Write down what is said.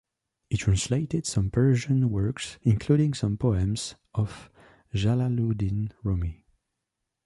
He translated some Persian works including some poems of Jalaluddin Rumi.